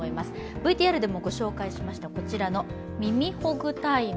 ＶＴＲでもご紹介しましたこちらの耳ほぐタイム。